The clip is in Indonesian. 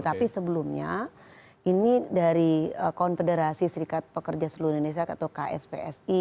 tapi sebelumnya ini dari konfederasi serikat pekerja seluruh indonesia atau kspsi